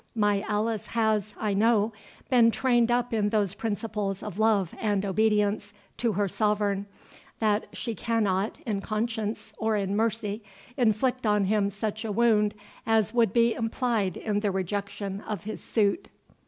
My Alice has, I know, been trained up in those principles of love and obedience to her sovereign, that she cannot, in conscience or in mercy, inflict on him such a wound as would be implied in the rejection of his suit."